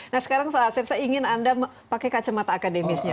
nah sekarang pak asep saya ingin anda pakai kacamata akademisnya